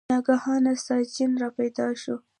ناګهانه ساسچن را پیدا شول.